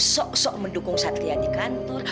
sok sok mendukung satria di kantor